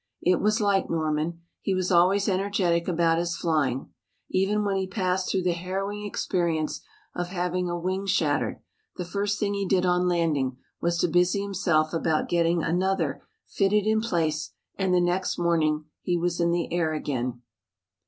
It was like Norman. He was always energetic about his flying. Even when he passed through the harrowing experience of having a wing shattered, the first thing he did on landing was to busy himself about getting another fitted in place and the next morning he was in the air again.